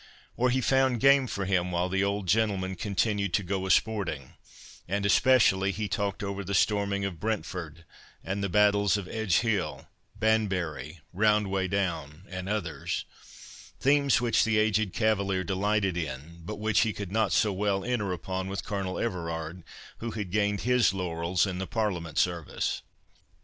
Or he found game for him while the old gentleman continued to go a sporting; and, especially he talked over the storming of Brentford, and the battles of Edgehill, Banbury, Roundwaydown, and others, themes which the aged cavalier delighted in, but which he could not so well enter upon with Colonel Everard, who had gained his laurels in the Parliament service.